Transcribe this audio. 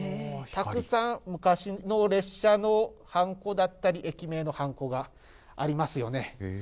たくさん、昔の列車のはんこだったり、駅名のはんこがありますよね。